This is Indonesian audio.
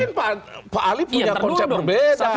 mungkin pak ali punya konsep berbeda